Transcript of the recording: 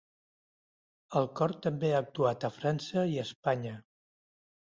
El cor també ha actuat a França i Espanya.